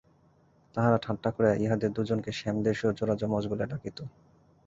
তাহারা ঠাট্টা করিয়া ইহাদের দুজনকে শ্যামদেশীয় জোড়া-যমজ বলিয়া ডাকিত।